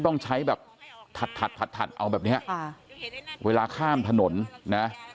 ต้องใช้แบบถัดเอาแบบเนี้ยเวลาข้ามถนนนะ